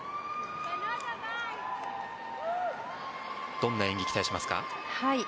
どんな演技を期待しますか？